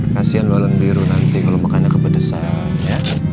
kasian lo len biru nanti kalo makannya kepedesan ya